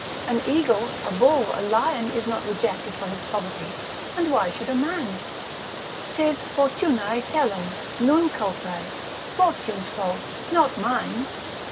an eagle, a bull, a lion is not rejected for his poverty, and why should a man? 'Tis fortunae telum, non culpae, fortune's fault, not mine.